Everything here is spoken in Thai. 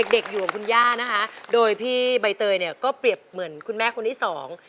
เด็กอยู่กับคุณย่านะคะโดยพี่ใบเตยก็เปรียบเหมือนคุณแม่คนอีก๒